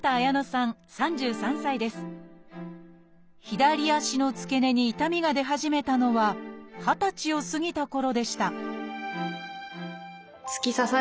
左足の付け根に痛みが出始めたのは二十歳を過ぎたころでした